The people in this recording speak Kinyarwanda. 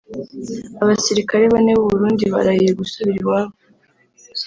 Abasirikare bane b’u Burundi barahiye gusubira iwabo